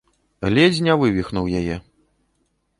Ледзь не вывіхнуў яе.